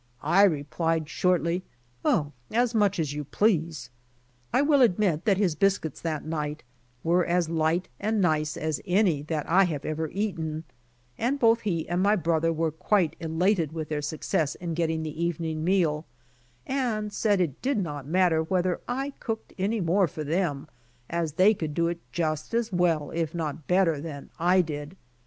I replied shortly, "Oh, as much as you please." I will admit that his biscuits that night were as light and nice as any that I have ever eaten, and both he and my brother were quite elated with their success in getting the evening meal, and said it did not matter whether I cooked any more for them as they could do just as well if not better than I did.